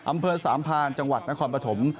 อำเภอสามพานจังหวัดนครปฐม